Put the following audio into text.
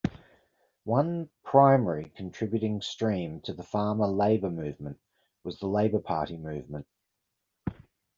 One primary contributing stream to the Farmer-Labor movement was the Labor Party movement.